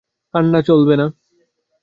কান্না চলবে না।